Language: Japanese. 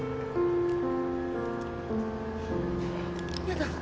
やだ。